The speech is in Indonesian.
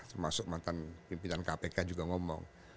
termasuk mantan pimpinan kpk juga ngomong